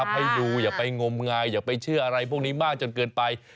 ให้ดูอย่าไปงมงายอย่าไปเชื่ออะไรพวกนี้มากจนเกินไป